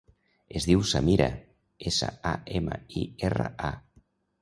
Es diu Samira: essa, a, ema, i, erra, a.